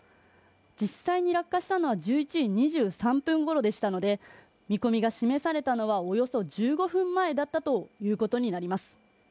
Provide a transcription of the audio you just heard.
実際に落下したのは１１時２３分ごろでしたので見込みが示されたのはおよそ１５分前だったということになります。